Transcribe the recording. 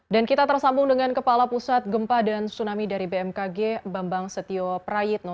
dan kita tersambung dengan kepala pusat gempa dan tsunami dari bmkg bambang setio prayitno